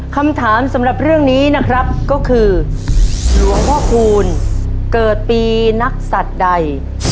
คำถามสำหรับเรื่องนี้นะครับก็คือหลวงพ่อคูณเกิดปีนักศัตริย์ใด